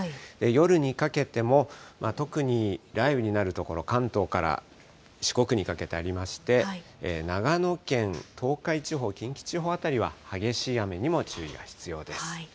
夜にかけても特に雷雨になる所、関東から四国にかけてありまして、長野県、東海地方、近畿地方辺りは、激しい雨にも注意が必要です。